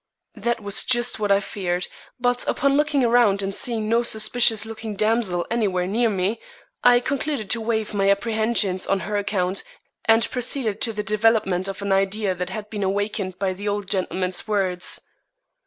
That was just what I feared, but upon looking round and seeing no suspicious looking damsel anywhere near me, I concluded to waive my apprehensions on her account and proceed to the development of an idea that had been awakened by the old gentleman's words.